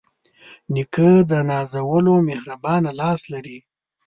نیکه د نازولو مهربانه لاس لري.